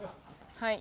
はい。